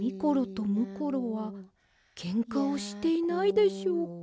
とむころはケンカをしていないでしょうか。